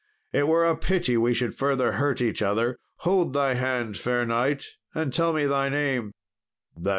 It were a pity we should further hurt each other. Hold thy hand, fair knight, and tell me thy name."